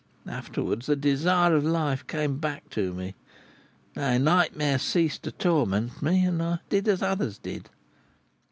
Afterwards, the desire of life came back to me, nay nightmare ceased to torment me, and I did as others did."